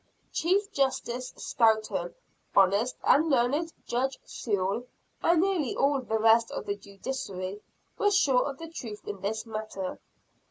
Chief Justice Stoughton, honest and learned Judge Sewall and nearly all the rest of the judiciary were sure of the truth in this matter.